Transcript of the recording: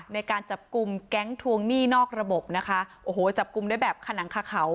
ในการจับกลุ่มแก๊งทวงหนี้นอกระบบนะคะโอ้โหจับกลุ่มได้แบบขนังคาเขา